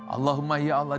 allahumma ya allah